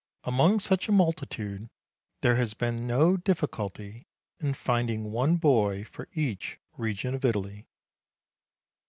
Among such a multitude there has been no difficulty in finding one boy for each region of Italy.